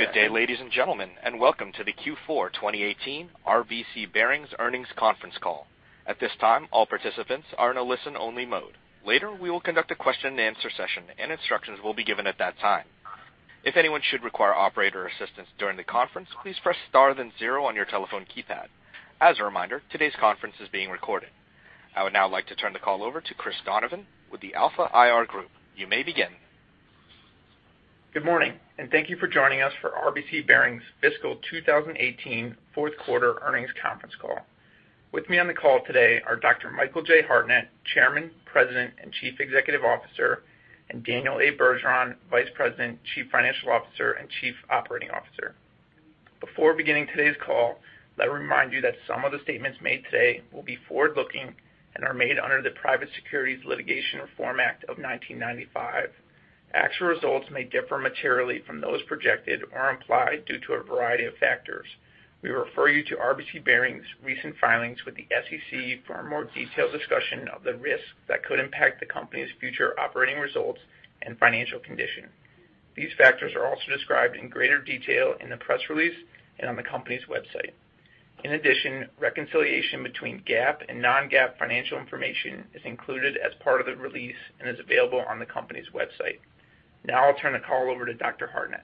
Good day, ladies and gentlemen, and welcome to the Q4 2018 RBC Bearings earnings conference call. At this time, all participants are in a listen-only mode. Later, we will conduct a question-and-answer session, and instructions will be given at that time. If anyone should require operator assistance during the conference, please press star then zero on your telephone keypad. As a reminder, today's conference is being recorded. I would now like to turn the call over to Chris Donovan with the Alpha IR Group. You may begin. Good morning, and thank you for joining us for RBC Bearings fiscal 2018 fourth quarter earnings conference call. With me on the call today are Dr. Michael J. Hartnett, Chairman, President, and Chief Executive Officer, and Daniel A. Bergeron, Vice President, Chief Financial Officer, and Chief Operating Officer. Before beginning today's call, let me remind you that some of the statements made today will be forward-looking and are made under the Private Securities Litigation Reform Act of 1995. Actual results may differ materially from those projected or implied due to a variety of factors. We refer you to RBC Bearings' recent filings with the SEC for a more detailed discussion of the risks that could impact the company's future operating results and financial condition. These factors are also described in greater detail in the press release and on the company's website. In addition, reconciliation between GAAP and non-GAAP financial information is included as part of the release and is available on the company's website. Now I'll turn the call over to Dr. Hartnett.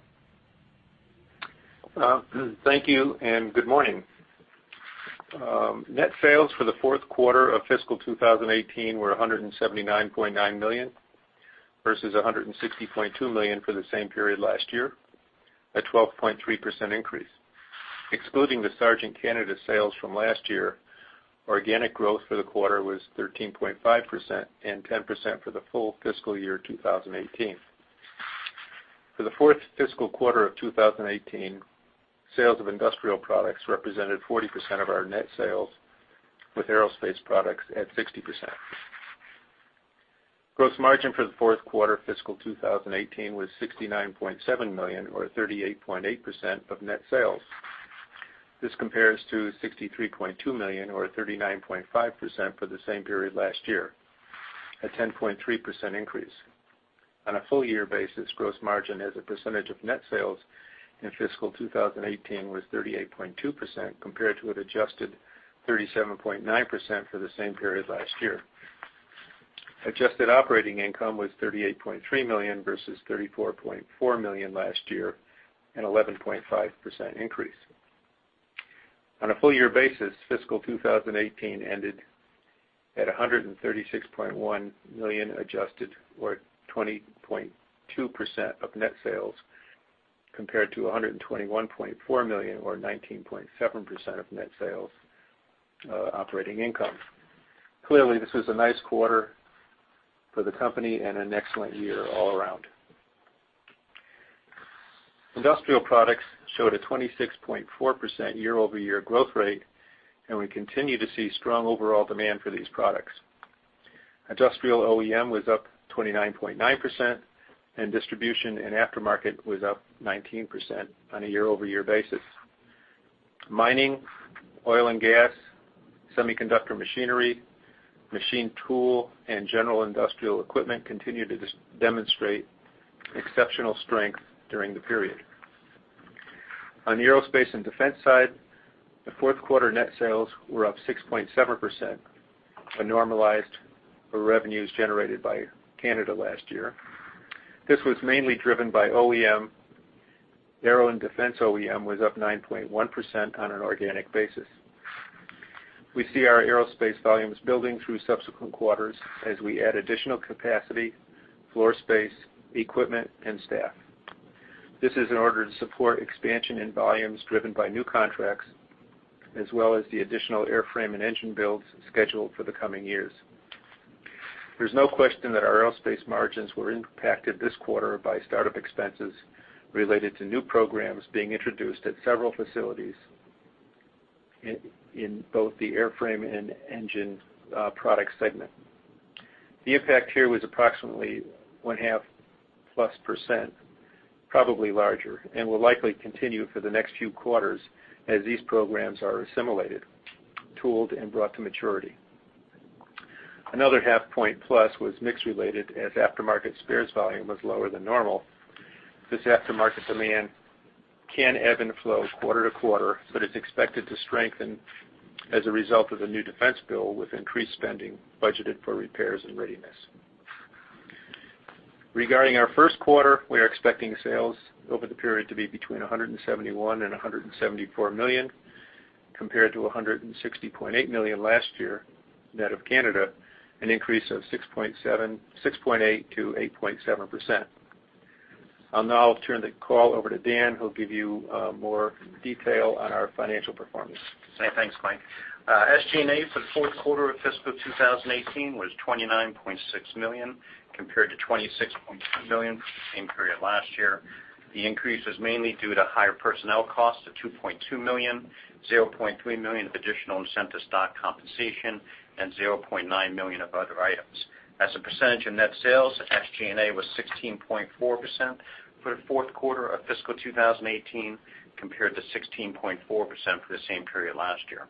Thank you and good morning. Net sales for the fourth quarter of fiscal 2018 were $179.9 million versus $160.2 million for the same period last year, a 12.3% increase. Excluding the surge in Canada sales from last year, organic growth for the quarter was 13.5% and 10% for the full fiscal year 2018. For the fourth fiscal quarter of 2018, sales of industrial products represented 40% of our net sales, with aerospace products at 60%. Gross margin for the fourth quarter fiscal 2018 was $69.7 million or 38.8% of net sales. This compares to $63.2 million or 39.5% for the same period last year, a 10.3% increase. On a full-year basis, gross margin as a percentage of net sales in fiscal 2018 was 38.2% compared to an adjusted 37.9% for the same period last year. Adjusted operating income was $38.3 million versus $34.4 million last year, an 11.5% increase. On a full-year basis, fiscal 2018 ended at $136.1 million adjusted or 20.2% of net sales compared to $121.4 million or 19.7% of net sales operating income. Clearly, this was a nice quarter for the company and an excellent year all around. Industrial products showed a 26.4% year-over-year growth rate, and we continue to see strong overall demand for these products. Industrial OEM was up 29.9%, and distribution and aftermarket was up 19% on a year-over-year basis. Mining, oil and gas, semiconductor machinery, machine tool, and general industrial equipment continued to demonstrate exceptional strength during the period. On the aerospace and defense side, the fourth quarter net sales were up 6.7%, a normalized revenues generated by Canada last year. This was mainly driven by OEM. Aero and defense OEM was up 9.1% on an organic basis. We see our aerospace volumes building through subsequent quarters as we add additional capacity, floor space, equipment, and staff. This is in order to support expansion in volumes driven by new contracts as well as the additional airframe and engine builds scheduled for the coming years. There's no question that our aerospace margins were impacted this quarter by startup expenses related to new programs being introduced at several facilities in both the airframe and engine product segment. The impact here was approximately 0.5%+, probably larger, and will likely continue for the next few quarters as these programs are assimilated, tooled, and brought to maturity. Another 0.5+ was mix-related as aftermarket spares volume was lower than normal. This aftermarket demand can ebb and flow quarter to quarter, but it's expected to strengthen as a result of the new defense bill with increased spending budgeted for repairs and readiness. Regarding our first quarter, we are expecting sales over the period to be between $171 million and $174 million compared to $160.8 million last year, net of Canada, an increase of 6.8%-8.7%. I'll now turn the call over to Dan, who'll give you more detail on our financial performance. Okay. Thanks, Mike. SG&A for the fourth quarter of fiscal 2018 was $29.6 million compared to $26.2 million for the same period last year. The increase was mainly due to higher personnel costs of $2.2 million, $0.3 million of additional incentive stock compensation, and $0.9 million of other items. As a percentage of net sales, SG&A was 16.4% for the fourth quarter of fiscal 2018 compared to 16.4% for the same period last year.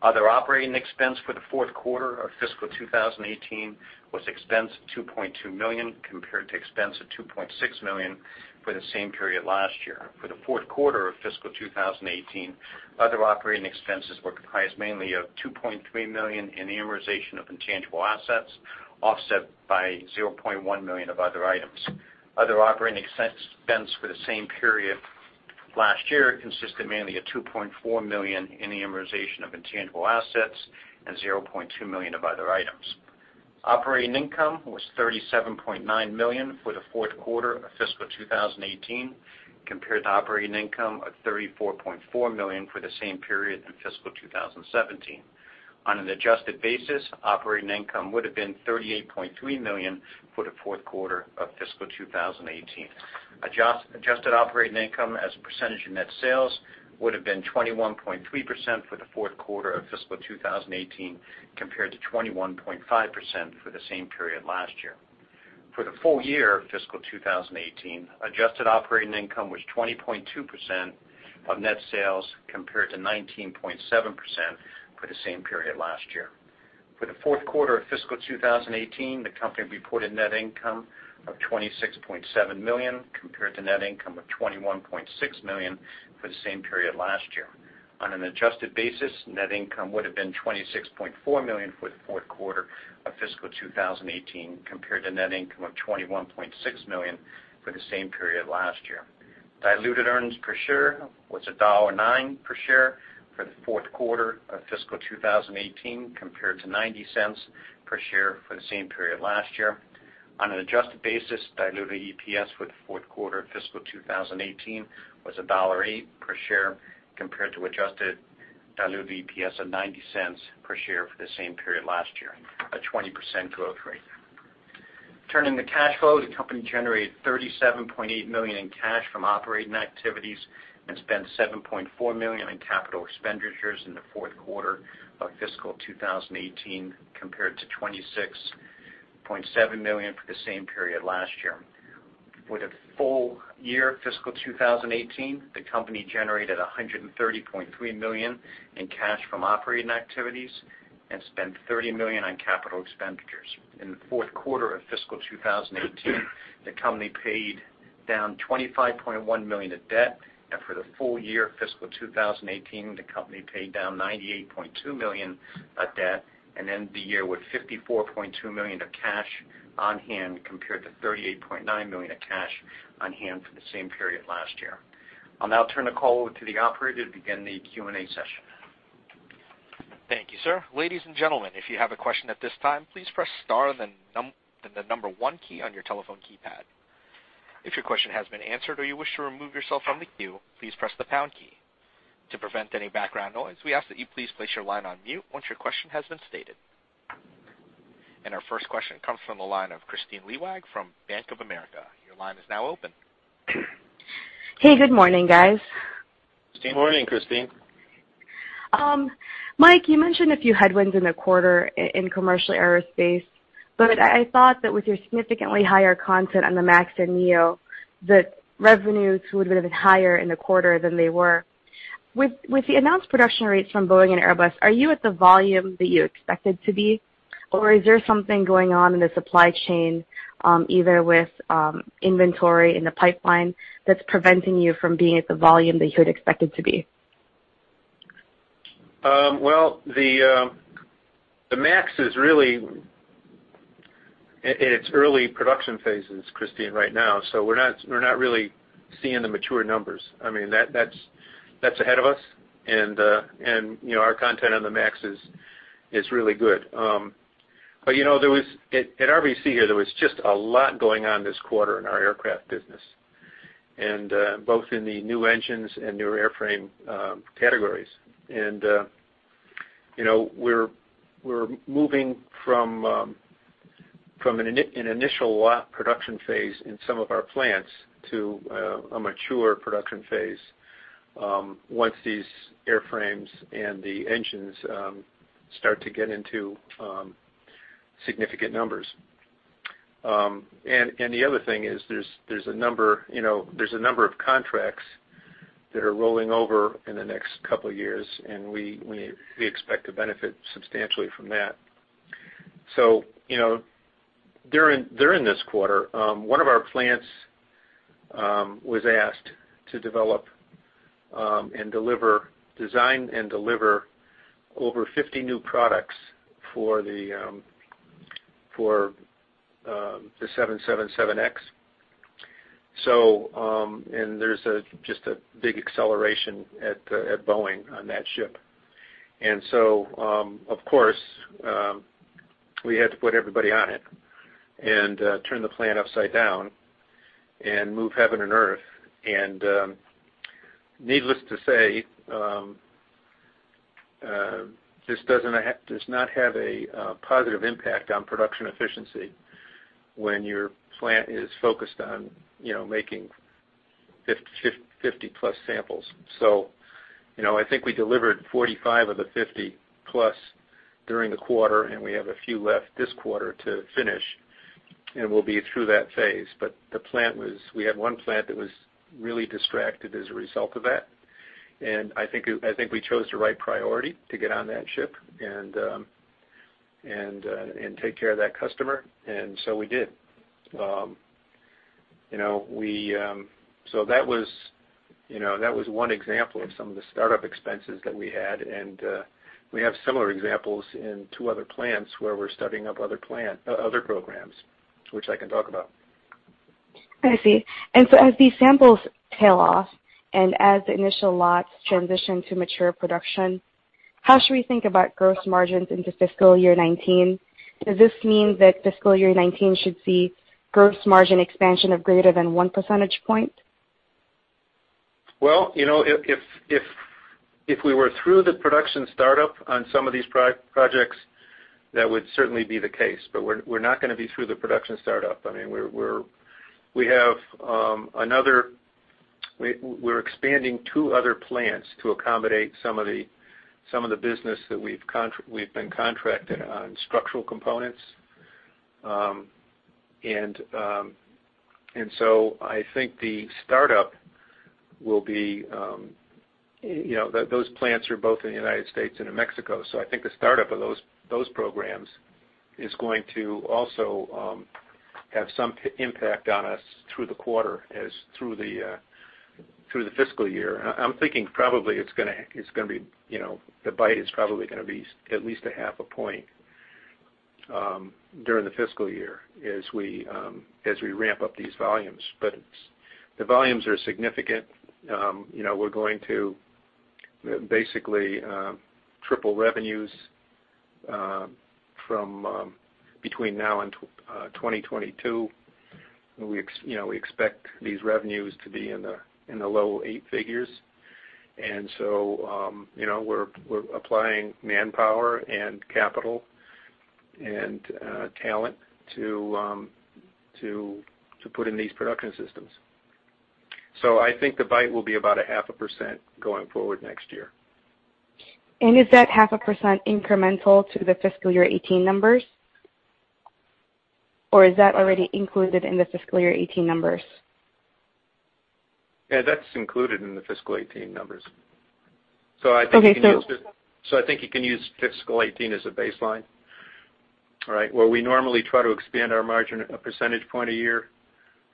Other operating expense for the fourth quarter of fiscal 2018 was expense of $2.2 million compared to expense of $2.6 million for the same period last year. For the fourth quarter of fiscal 2018, other operating expenses were comprised mainly of $2.3 million in amortization of intangible assets offset by $0.1 million of other items. Other operating expense for the same period last year consisted mainly of $2.4 million in amortization of intangible assets and $0.2 million of other items. Operating income was $37.9 million for the fourth quarter of fiscal 2018 compared to operating income of $34.4 million for the same period in fiscal 2017. On an adjusted basis, operating income would have been $38.3 million for the fourth quarter of fiscal 2018. Adjusted operating income as a percentage of net sales would have been 21.3% for the fourth quarter of fiscal 2018 compared to 21.5% for the same period last year. For the full year of fiscal 2018, adjusted operating income was 20.2% of net sales compared to 19.7% for the same period last year. For the fourth quarter of fiscal 2018, the company reported net income of $26.7 million compared to net income of $21.6 million for the same period last year. On an adjusted basis, net income would have been $26.4 million for the fourth quarter of fiscal 2018 compared to net income of $21.6 million for the same period last year. Diluted earnings per share was $1.09 per share for the fourth quarter of fiscal 2018 compared to $0.90 per share for the same period last year. On an adjusted basis, diluted EPS for the fourth quarter of fiscal 2018 was $1.08 per share compared to adjusted diluted EPS of $0.90 per share for the same period last year, a 20% growth rate. Turning to cash flow, the company generated $37.8 million in cash from operating activities and spent $7.4 million in capital expenditures in the fourth quarter of fiscal 2018 compared to $26.7 million for the same period last year. For the full year fiscal 2018, the company generated $130.3 million in cash from operating activities and spent $30 million on capital expenditures. In the fourth quarter of fiscal 2018, the company paid down $25.1 million of debt, and for the full year fiscal 2018, the company paid down $98.2 million of debt, and ended the year with $54.2 million of cash on hand compared to $38.9 million of cash on hand for the same period last year. I'll now turn the call over to the operator to begin the Q&A session. Thank you, sir. Ladies and gentlemen, if you have a question at this time, please press star then the number one key on your telephone keypad. If your question has been answered or you wish to remove yourself from the queue, please press the pound key. To prevent any background noise, we ask that you please place your line on mute once your question has been stated. Our first question comes from the line of Kristine Liwag from Bank of America. Your line is now open. Hey, good morning, guys. Kristine? Good morning, Kristine. Mike, you mentioned a few headwinds in the quarter in commercial aerospace, but I thought that with your significantly higher content on the MAX and NEO, the revenues would have been higher in the quarter than they were. With the announced production rates from Boeing and Airbus, are you at the volume that you expected to be, or is there something going on in the supply chain, either with inventory in the pipeline, that's preventing you from being at the volume that you had expected to be? Well, the MAX is really in its early production phases, ase press the pound key. To prevent any background noise, we ask that you please place your line on mute once your question has been stated. Our first question comes from the line of Kristine Liwag from Bank of America. Your line is now open. So during this quarter, one of our plants was asked to develop and design and deliver over 50 new products for the 777X, and there's just a big acceleration at Boeing on that ship. And so, of course, we had to put everybody on it and turn the plant upside down and move heaven and earth. And needless to say, this does not have a positive impact on production efficiency when your plant is focused on making 50-plus samples. So I think we delivered 45 of the 50-plus during the quarter, and we have a few left this quarter to finish, and we'll be through that phase. But we had one plant that was really distracted as a result of that, and I think we chose the right priority to get on that ship and take care of that customer, and so we did. That was one example of some of the startup expenses that we had, and we have similar examples in two other plants where we're starting up other programs, which I can talk about. I see. And so as these samples tail off and as initial lots transition to mature production, how should we think about gross margins into fiscal year 2019? Does this mean that fiscal year 2019 should see gross margin expansion of greater than one percentage point? Well, if we were through the production startup on some of these projects, that would certainly be the case, but we're not going to be through the production startup. I mean, we have another we're expanding two other plants to accommodate some of the business that we've been contracted on structural components. And so I think the startup will be those plants are both in the United States and in Mexico, so I think the startup of those programs is going to also have some impact on us through the quarter through the fiscal year. I'm thinking probably it's going to be the bite is probably going to be at least 0.5 during the fiscal year as we ramp up these volumes. But the volumes are significant. We're going to basically triple revenues between now and 2022. We expect these revenues to be in the low eight figures, and so we're applying manpower and capital and talent to put in these production systems. So I think the bite will be about 0.5% going forward next year. Is that 0.5% incremental to the fiscal year 2018 numbers, or is that already included in the fiscal year 2018 numbers? Yeah, that's included in the fiscal 2018 numbers. So I think you can use fiscal 2018 as a baseline. All right. Where we normally try to expand our margin a percentage point a year,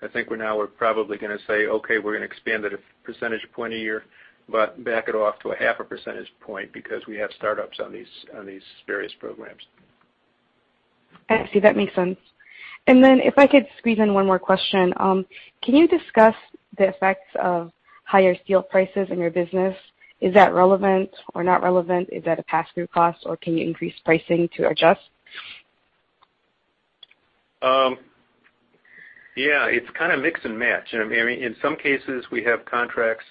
I think now we're probably going to say, "Okay, we're going to expand it a percentage point a year, but back it off to a half a percentage point because we have startups on these various programs. I see. That makes sense. And then if I could squeeze in one more question, can you discuss the effects of higher steel prices in your business? Is that relevant or not relevant? Is that a pass-through cost, or can you increase pricing to adjust? Yeah, it's kind of mix and match. I mean, in some cases, we have contracts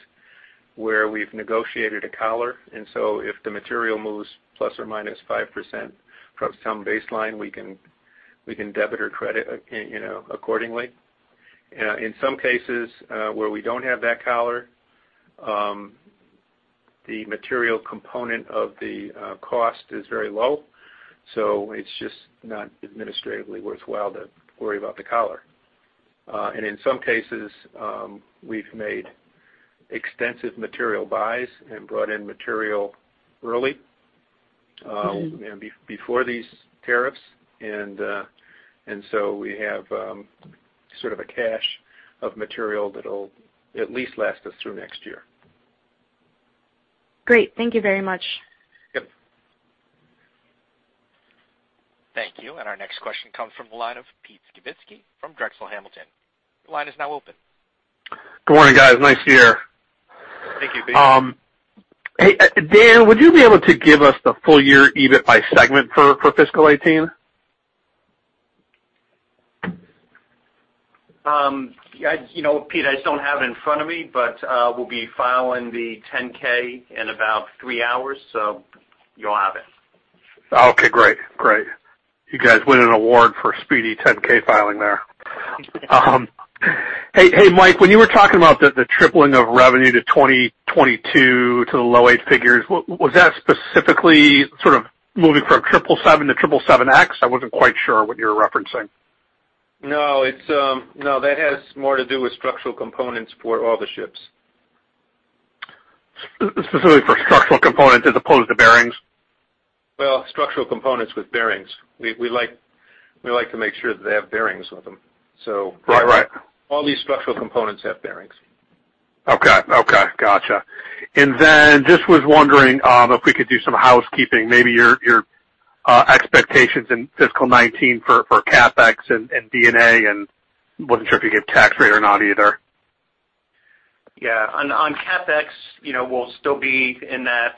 where we've negotiated a collar, and so if the material moves ±5% from some baseline, we can debit or credit accordingly. In some cases where we don't have that collar, the material component of the cost is very low, so it's just not administratively worthwhile to worry about the collar. And in some cases, we've made extensive material buys and brought in material early, before these tariffs, and so we have sort of a cache of material that'll at least last us through next year. Great. Thank you very much. Yep. Thank you. Our next question comes from the line of Pete Skibitski from Drexel Hamilton. Your line is now open. Good morning, guys. Nice to hear. Thank you, Pete. Hey, Dan, would you be able to give us the full year EBIT by segment for fiscal 2018? Yeah, Pete, I just don't have it in front of me, but we'll be filing the 10-K in about three hours, so you'll have it. Okay, great, great. You guys win an award for speedy 10-K filing there. Hey, Mike, when you were talking about the tripling of revenue to 2022 to the low eight figures, was that specifically sort of moving from 777 to 777X? I wasn't quite sure what you were referencing. No, that has more to do with structural components for all the ships. Specifically for structural components as opposed to bearings? Well, structural components with bearings. We like to make sure that they have bearings with them. So all these structural components have bearings. Okay, okay, gotcha. And then just was wondering if we could do some housekeeping. Maybe your expectations in fiscal 2019 for CapEx and D&A, and wasn't sure if you gave tax rate or not either. Yeah, on CapEx, we'll still be in that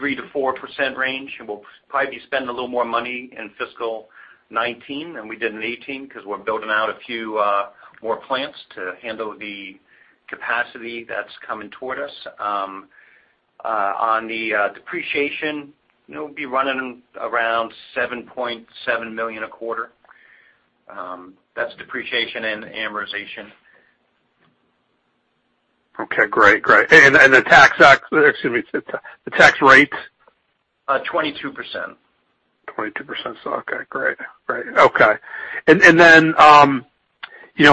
3%-4% range, and we'll probably be spending a little more money in fiscal 2019 than we did in 2018 because we're building out a few more plants to handle the capacity that's coming toward us. On the depreciation, we'll be running around $7.7 million a quarter. That's depreciation and amortization. Okay, great, great. And the tax, excuse me, the tax rate? 22%. 22%, okay, great, great. Okay. And then,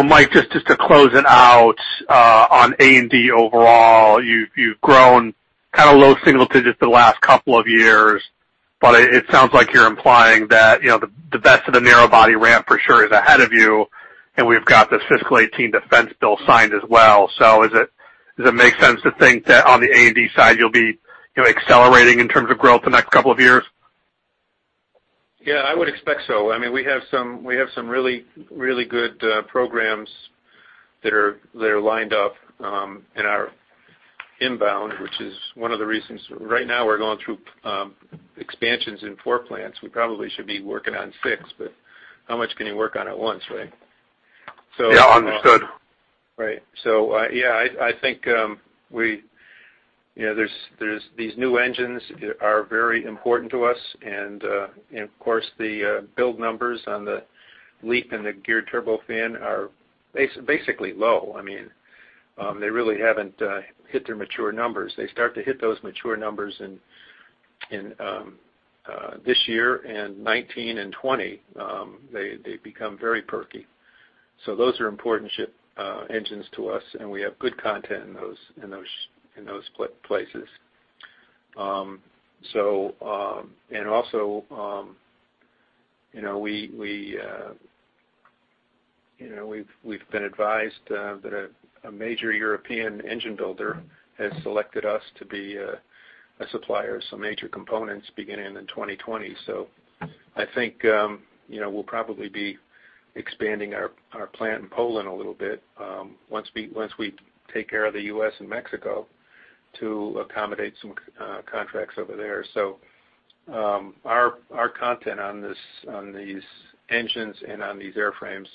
Mike, just to close it out, on A&D overall, you've grown kind of low single digits the last couple of years, but it sounds like you're implying that the best of the narrowbody ramp for sure is ahead of you, and we've got this fiscal 2018 defense bill signed as well. So does it make sense to think that on the A&D side, you'll be accelerating in terms of growth the next couple of years? Yeah, I would expect so. I mean, we have some really, really good programs that are lined up in our inbound, which is one of the reasons right now we're going through expansions in four plants. We probably should be working on 6, but how much can you work on at once, right? Yeah, understood. Right. So yeah, I think there's these new engines are very important to us, and of course, the build numbers on the LEAP and the geared turbofan are basically low. I mean, they really haven't hit their mature numbers. They start to hit those mature numbers in this year, and 2019 and 2020, they become very perky. So those are important engines to us, and we have good content in those places. And also, we've been advised that a major European engine builder has selected us to be a supplier of some major components beginning in 2020. So I think we'll probably be expanding our plant in Poland a little bit once we take care of the U.S. and Mexico to accommodate some contracts over there. So our content on these engines and on these airframes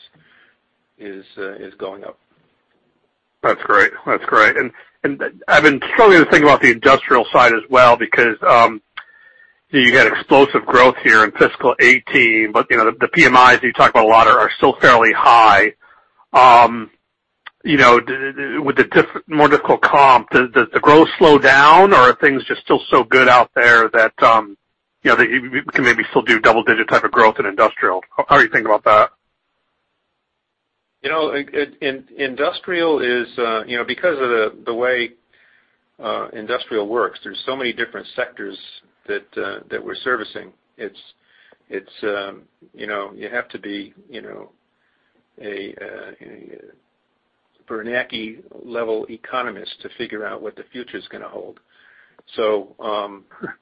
is going up. That's great, that's great. And I've been struggling to think about the industrial side as well because you had explosive growth here in fiscal 2018, but the PMIs that you talk about a lot are still fairly high. With the more difficult comp, does the growth slow down, or are things just still so good out there that we can maybe still do double-digit type of growth in industrial? How are you thinking about that? Industrial is because of the way industrial works, there's so many different sectors that we're servicing. You have to be a Bernanke-level economist to figure out what the future's going to hold.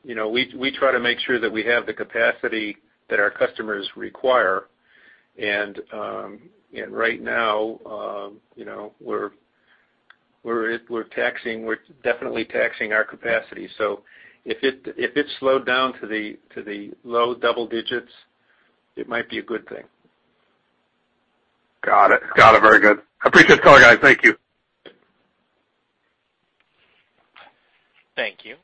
We try to make sure that we have the capacity that our customers require, and right now, we're definitely taxing our capacity. If it slowed down to the low double digits, it might be a good thing. Got it. Got it, very good. Appreciate the call, guys. Thank you. Thank you.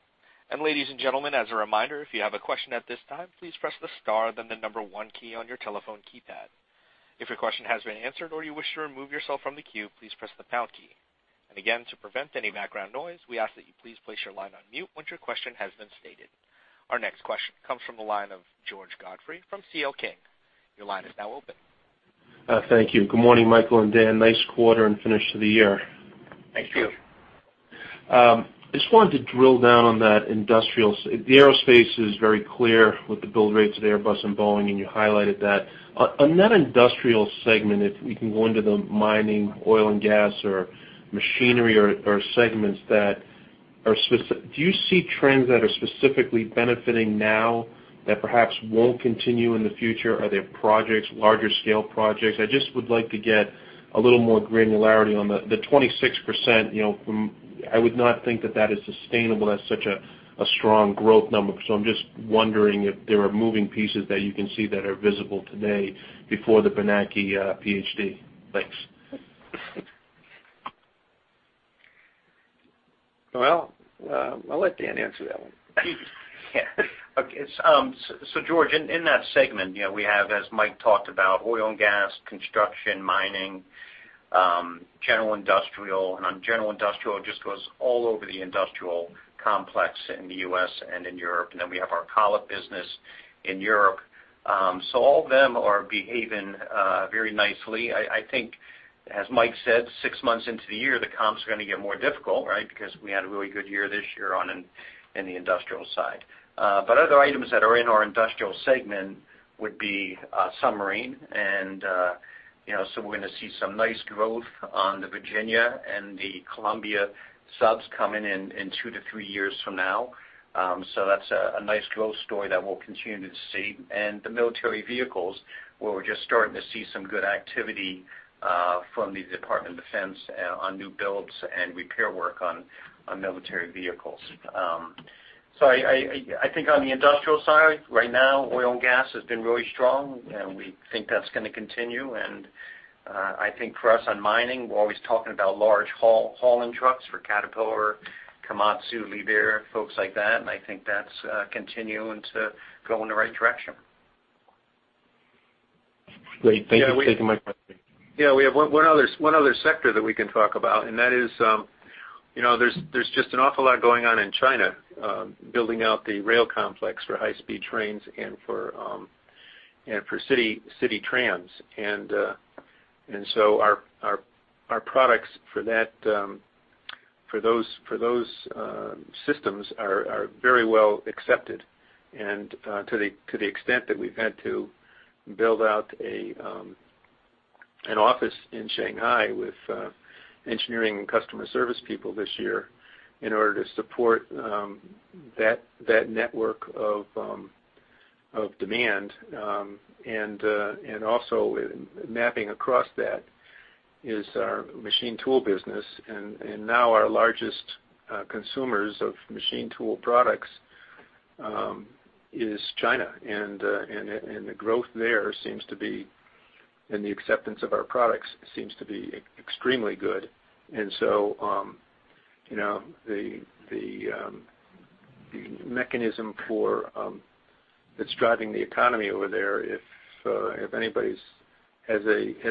And ladies and gentlemen, as a reminder, if you have a question at this time, please press the star and then the number one key on your telephone keypad. If your question has been answered or you wish to remove yourself from the queue, please press the pound key. And again, to prevent any background noise, we ask that you please place your line on mute once your question has been stated. Our next question comes from the line of George Godfrey from C.L. King. Your line is now open. Thank you. Good morning, Michael and Dan. Nice quarter and finish to the year. Thank you. I just wanted to drill down on that industrial. The aerospace is very clear with the build rates of Airbus and Boeing, and you highlighted that. On that industrial segment, if we can go into the mining, oil and gas, or machinery or segments that are, do you see trends that are specifically benefiting now that perhaps won't continue in the future? Are there projects, larger-scale projects? I just would like to get a little more granularity on the 26%. I would not think that that is sustainable as such a strong growth number, so I'm just wondering if there are moving pieces that you can see that are visible today before the Bernanke Ph.D. Thanks. Well, I'll let Dan answer that one. So George, in that segment, we have, as Mike talked about, oil and gas, construction, mining, general industrial, and on general industrial, it just goes all over the industrial complex in the U.S. and in Europe, and then we have our collet business in Europe. So all of them are behaving very nicely. I think, as Mike said, six months into the year, the comps are going to get more difficult, right, because we had a really good year this year on the industrial side. But other items that are in our industrial segment would be submarine, and so we're going to see some nice growth on the Virginia and the Columbia subs coming in two to three years from now. So that's a nice growth story that we'll continue to see. And the military vehicles, where we're just starting to see some good activity from the Department of Defense on new builds and repair work on military vehicles. So I think on the industrial side, right now, oil and gas has been really strong, and we think that's going to continue. And I think for us on mining, we're always talking about large hauling trucks for Caterpillar, Komatsu, Liebherr, folks like that, and I think that's continuing to go in the right direction. Great. Thank you for taking my question. Yeah, we have one other sector that we can talk about, and that is there's just an awful lot going on in China, building out the rail complex for high-speed trains and for city trams. And so our products for those systems are very well accepted, and to the extent that we've had to build out an office in Shanghai with engineering and customer service people this year in order to support that network of demand. And also, mapping across that is our machine tool business, and now our largest consumers of machine tool products is China, and the growth there seems to be and the acceptance of our products seems to be extremely good. And so the mechanism that's driving the economy over there, if anybody has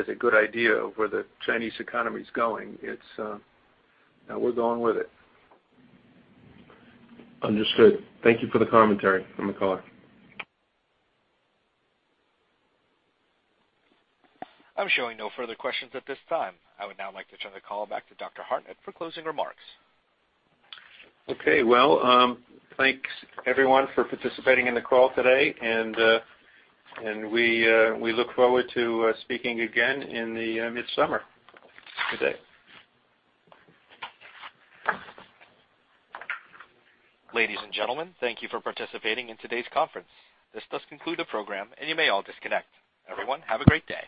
a good idea of where the Chinese economy's going, we're going with it. Understood. Thank you for the commentary on the color. I'm showing no further questions at this time. I would now like to turn the call back to Dr. Hartnett for closing remarks. Okay, well, thanks, everyone, for participating in the call today, and we look forward to speaking again in the midsummer. Good day. Ladies and gentlemen, thank you for participating in today's conference. This does conclude the program, and you may all disconnect. Everyone, have a great day.